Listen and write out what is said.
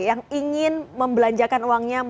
yang ingin membelanjakan uangnya